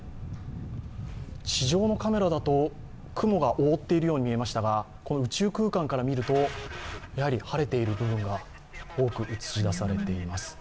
地上のカメラだと雲が覆っているように見えましたが、宇宙空間から見ると晴れている部分が多く映し出されています。